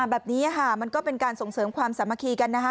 แบบนี้ค่ะมันก็เป็นการส่งเสริมความสามัคคีกันนะคะ